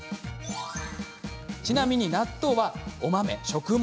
ちなみに納豆はお豆食物